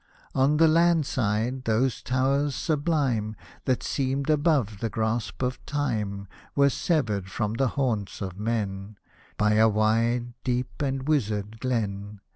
On the land side, those towers sublime, That seemed above the grasp of Time, Were severed from the haunts of men By a wide, deep, and wizard glen.